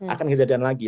akan kejadian lagi